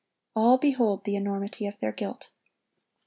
—all behold the enormity of their guilt.